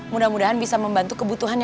mudah mudahan bisa membantu kebutuhannya